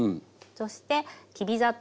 そしてきび砂糖。